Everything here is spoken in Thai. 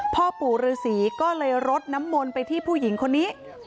พ่อปู่ฤษีก็เลยรดน้ำมนต์ไปที่ผู้หญิงคนนี้